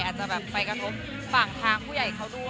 อาจจะแบบไปกระทบฝั่งทางผู้ใหญ่เขาด้วย